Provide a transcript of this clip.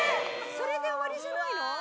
それで終わりじゃないの？